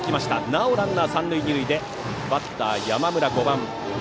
なおランナー三塁二塁でバッターは山村、５番。